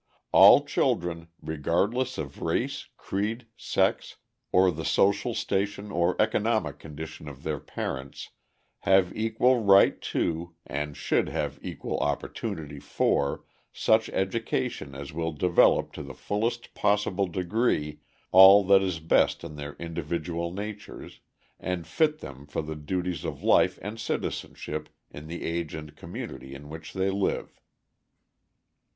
All children, regardless of race, creed, sex, or the social station or economic condition of their parents, have equal right to, and should have equal opportunity for, such education as will develop to the fullest possible degree all that is best in their individual natures, and fit them for the duties of life and citizenship in the age and community in which they live.